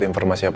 selamat sore pak